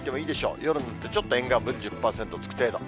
夜見るとちょっと沿岸部、１０％つく程度。